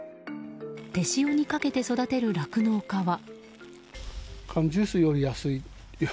手塩にかけて育てる酪農家は。